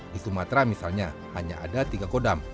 di sumatera misalnya hanya ada tiga kodam